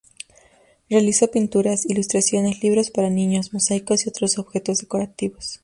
Realizó pinturas, ilustraciones, libros para niños, mosaicos, y otros objetos decorativos.